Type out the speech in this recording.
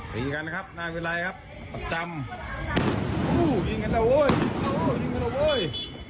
ตีกันนะครับน่าวิรัยครับประจำโอ้ยิงกันแล้วโอ้ยโอ้ยิงกันแล้วโอ้ย